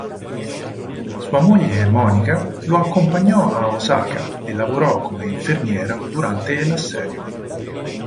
Sua moglie "Monica" lo accompagnò a Osaka e lavorò come infermiera durante l'assedio.